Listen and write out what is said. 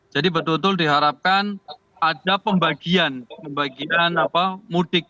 jadi betul betul diharapkan ada pembagian mudik